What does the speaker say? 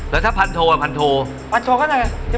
แล้วถ้าพันโทอย่างไร